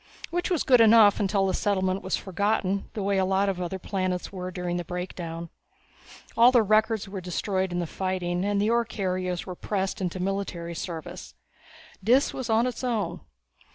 Which was good enough until the settlement was forgotten, the way a lot of other planets were during the Breakdown. All the records were destroyed in the fighting, and the ore carriers were pressed into military service. Dis was on its own.